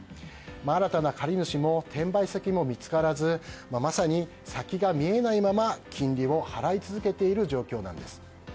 新たな借り主も転売先も見つからずまさに先が見えないまま金利を払い続けている状況です。